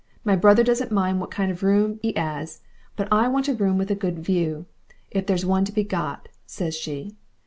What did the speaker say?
My brother doesn't mind what kind of room 'e 'as, but I want a room with a good view, if there's one to be got,' says she.